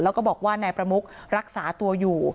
แล้วก็บอกว่านายประมุกรักษาตัวอยู่